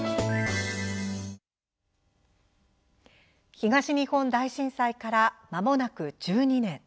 東日本大震災からまもなく１２年。